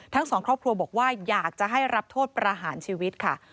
ทั้งสองครอบครัวบอกว่าอยากจะให้รับโทษประหารชีวิตค่ะ